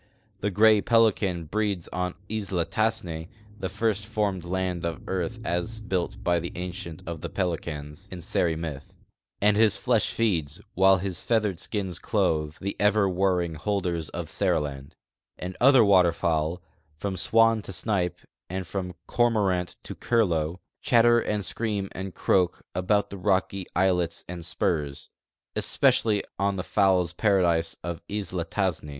The gray pelican breeds on Isla Tassne — the first formed land of earth as built by the Ancient of Pelicans, in Seri myth, — and his flesh feeds, while his feathered skins clothe, the ever warring holders of Seriland; and other water fowl, from swan to snipe and from cormorant to curlew, chatter and scream and croak about the rocky islets and si)urs, especially on the fowls' paradise of Isla Tassne.